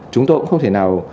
chúng tôi cũng không thể nào